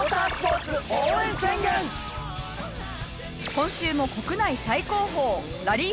今週も国内最高峰ラリー